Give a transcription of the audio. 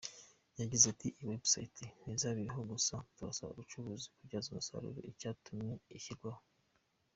Yagize ati: "Iyi website ntizaba iri aho gusa turasaba abacuruzi kubyaza umusaruro icyatumye ishyirwaho.